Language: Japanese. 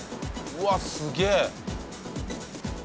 うわっすげえ！